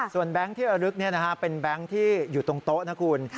แบงค์ที่ระลึกเป็นแบงค์ที่อยู่ตรงโต๊ะนะคุณ